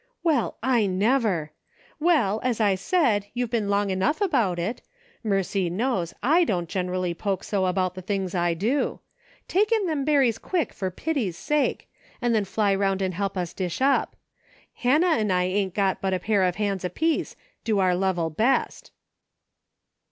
"Well, I never! Well, as I said, you've been long enough about it ; mercy knows, / don't generally poke so about things I do. Take in them berries, quick, for pity's sake ! and then fly round and help us dish up. Hannah and I ain't got but a pair of hands apiece, do our level best."